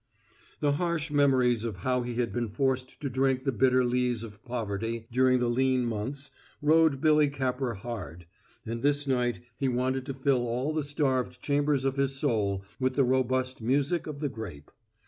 The harsh memories of how he had been forced to drink the bitter lees of poverty during the lean months rode Billy Capper hard, and this night he wanted to fill all the starved chambers of his soul with the robust music of the grape.